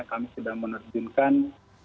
kami sudah menerjunkan